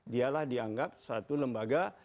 dialah dianggap satu lembaga